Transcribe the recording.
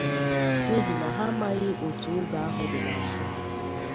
N’ihi na ha amaghị otu ụzọ ahụ dị na mbụ